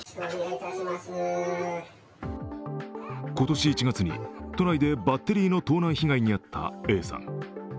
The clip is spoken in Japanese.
今年１月に、都内でバッテリーの盗難被害に遭ったＡさん。